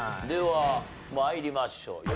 では参りましょう。